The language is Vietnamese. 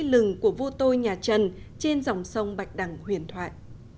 đây là lý lừng của vua tôi nhà trần trên dòng sông bạch đằng huyền thoại